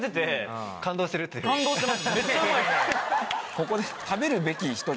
ここで。